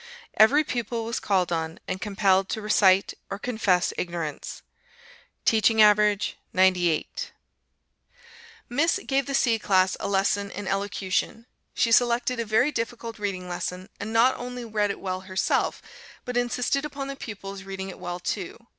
Every pupil was called on and compelled to recite or confess ignorance. Teaching average 98. Miss gave the C class a lesson in Elocution. She selected a very difficult reading lesson, and not only read it well herself, but insisted upon the pupils reading it well too.